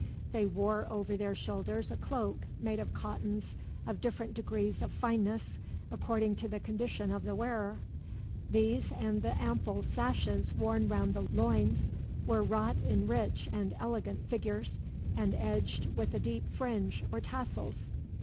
They wore over their shoulders a cloak, made of cottons of different degrees of fineness, according to the condition of the wearer. These and the ample sashes worn round the loins were wrought in rich and elegant figures, and edged with a deep fringe, or tassels.